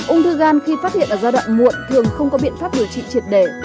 ung thư gan khi phát hiện ở giai đoạn muộn thường không có biện pháp điều trị triệt để